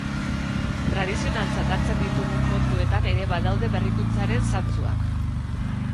Tradizionaltzat hartzen ditugun kantuetan ere badaude berrikuntzaren zantzuak.